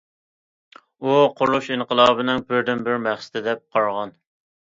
ئۇ‹‹ قۇرۇلۇش ئىنقىلابنىڭ بىردىنبىر مەقسىتى›› دەپ قارىغان.